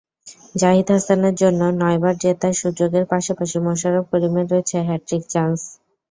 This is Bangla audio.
জাহিদ হাসানের জন্য নয়বার জেতার সুযোগের পাশাপাশি মোশাররফ করিমের রয়েছে হ্যাটট্রিক চান্স।